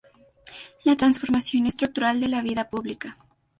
La transformación estructural de la vida pública".